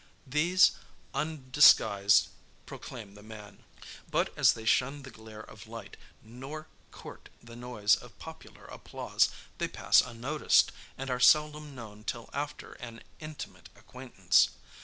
These, undisguised, proclaim the man. But, as they shun the glare of light, nor court the noise of popular applause, they pass unnoticed, and are seldom known till after an intimate acquaintance.